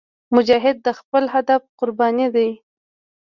مجاهد د خپل هدف قرباني دی.